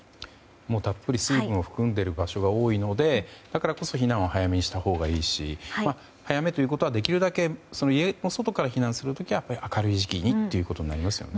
もうたっぷり水分を含んでいる場所が多いのでだからこそ非難を早めにしたほうがいいし早めということはできるだけ家の外から避難する時には明るい時期にとなりますよね。